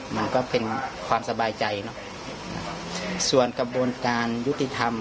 มันก็เป็นความสบายใจเนอะส่วนกระบวนการยุติธรรม